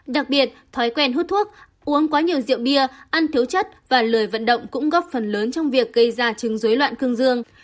đặc biệt thói quen hút thuốc uống quá nhiều rượu bia ăn thiếu chất và lời vận động cũng góp phần lớn trong việc gây ra chứng dối loạn cương dương